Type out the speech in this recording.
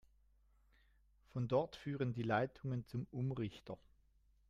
Von dort führen die Leitungen zum Umrichter.